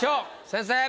先生！